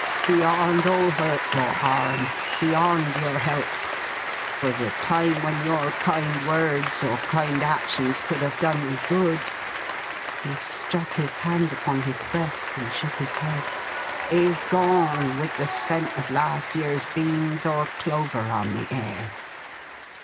Beyond all hurt or harm; beyond your help; for the time when your kind words or kind actions could have done me good,'—he struck his hand upon his breast, and shook his head, 'is gone, with the scent of last year's beans or clover on the air.